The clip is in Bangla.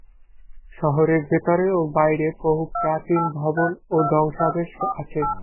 শহরের ভেতরে ও বাইরে বহু প্রাচীন ভবন ও ধ্বংসাবশেষ আছে।